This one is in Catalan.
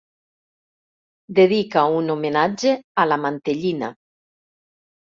Dedica un homenatge a la mantellina.